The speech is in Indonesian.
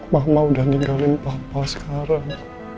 mama udah ninggalin papa sekarang